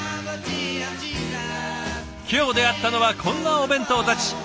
今日出会ったのはこんなお弁当たち。